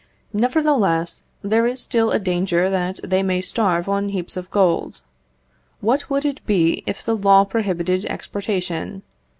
Nevertheless, there is still a danger that they may starve on heaps of gold. What would it be if the law prohibited exportation?